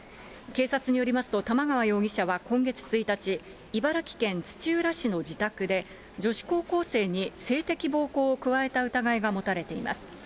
警察によりますと、玉川容疑者は今月１日、茨城県土浦市の自宅で女子高校生に性的暴行を加えた疑いが持たれています。